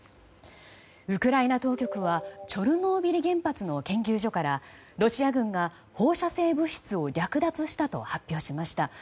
ウクライナ当局はチョルノービリ原発の研究所からロシア軍が放射性物質を略奪したと発表しました。